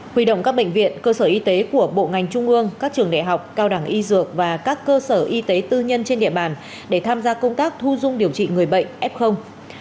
huy động các bệnh viện cơ sở y tế của bộ ngành trung ương các trường đại học cao đẳng y dược và các cơ sở y tế tư nhân trên địa bàn để tham gia công tác thu dung điều trị người bệnh f